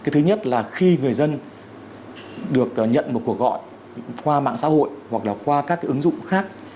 thứ nhất là khi người dân được nhận một cuộc gọi qua mạng xã hội hoặc là qua các ứng dụng khác